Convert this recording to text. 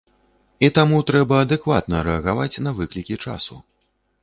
І таму трэба адэкватна рэагаваць на выклікі часу.